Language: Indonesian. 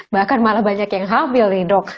bahkan malah banyak yang hamil nih dok